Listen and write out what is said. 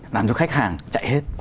làm cho khách hàng chạy hết